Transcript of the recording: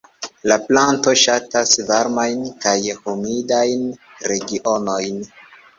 La planto ŝatas varmajn kaj humidajn regionojn.